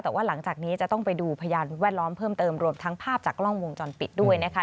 แต่ว่าหลังจากนี้จะต้องไปดูพยานแวดล้อมเพิ่มเติมรวมทั้งภาพจากกล้องวงจรปิดด้วยนะคะ